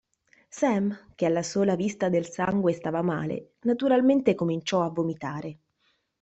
Sam, che alla sola vista del sangue stava male, naturalmente cominciò a vomitare.